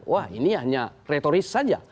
wah ini hanya retoris saja